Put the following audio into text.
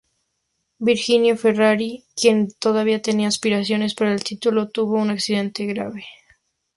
Virginio Ferrari, quien todavía tenía aspiraciones para el título, tuvo un accidente grave.